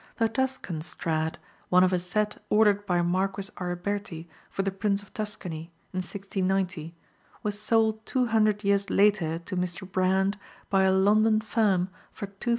The Tuscan Strad, one of a set ordered by Marquis Ariberti for the Prince of Tuscany, in 1690, was sold two hundred years later to Mr. Brandt by a London firm for £2,000.